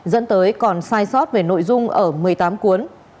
dẫn tới còn sai sót về nội dung ở một mươi tám cuốn